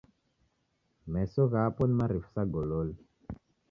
Meso ghapo ni marifu sa gololi.